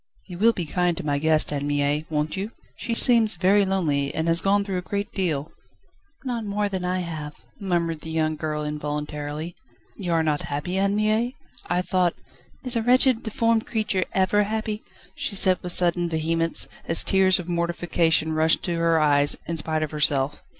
"You will be kind to my guest, Anne Mie, won't you? She seems very lonely, and has gone through a great deal." "Not more than I have," murmured the young girl involuntarily. "You are not happy, Anne Mie? I thought ..." "Is a wretched, deformed creature ever happy?" she said with sudden vehemence, as tears of mortification rushed to her eyes, in spite of herself.